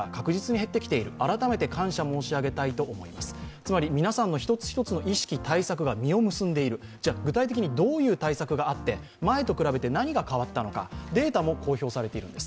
つまり、皆さんの一つ一つの意識、対策が実を結んでいる、具体的にどういう対策があって前と比べて何が変わったのか、データも公表されているんです。